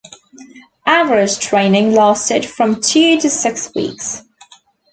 Average training lasted from two to six weeks.